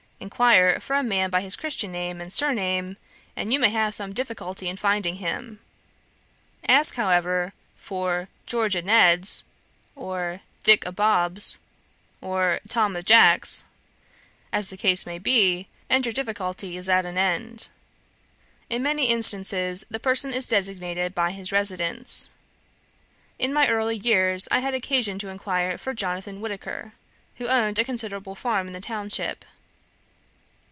Inquire for a man by his Christian name and surname, and you may have some difficulty in finding him: ask, however, for 'George o' Ned's,' or 'Dick o' Bob's,' or 'Tom o' Jack's,' as the case may be, and your difficulty is at an end. In many instances the person is designated by his residence. In my early years I had occasion to inquire for Jonathan Whitaker, who owned a considerable farm in the township.